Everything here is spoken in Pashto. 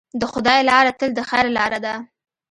د خدای لاره تل د خیر لاره ده.